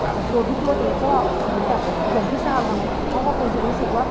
ตัวพิทัลเองก็เหมือนกับเหมือนพี่ชาวมากเพราะว่าคนจะรู้สึกว่า